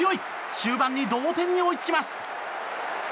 終盤に同点に追いつきます！